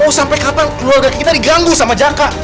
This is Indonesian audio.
mau sampai kapan keluarga kita diganggu sama jakak